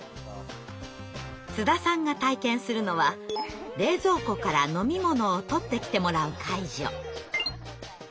津田さんが体験するのは冷蔵庫から飲み物を取ってきてもらう介助。